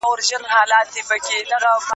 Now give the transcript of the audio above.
د غونډو جریان څنګه ثبت کېږي؟